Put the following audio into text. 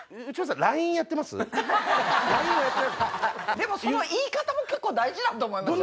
でもその言い方も結構大事だと思いますよ？